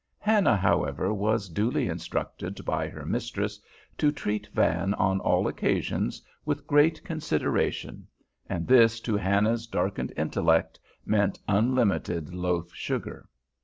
Hannah, however, was duly instructed by her mistress to treat Van on all occasions with great consideration, and this to Hannah's darkened intellect meant unlimited loaf sugar.